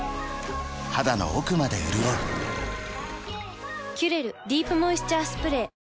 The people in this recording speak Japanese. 肌の奥まで潤う「キュレルディープモイスチャースプレー」